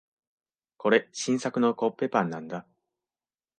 これ、新作のコッペパンなんだ。